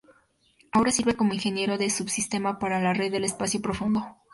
Ahora sirve como ingeniero de subsistema para la Red del Espacio Profundo.